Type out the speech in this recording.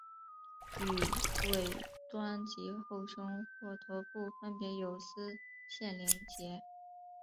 于尾端及后胸或头部分别有丝线连结。